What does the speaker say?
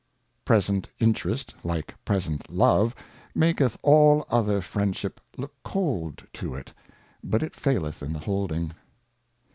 Present Interest, like present Love, maketh all other Friend ship look cold to it, but it faileth in the holding.